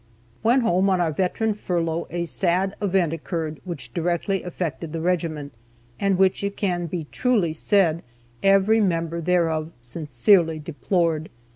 ] When home on our veteran furlough a sad event occurred which directly affected the regiment, and which it can be truly said every member thereof sincerely deplored.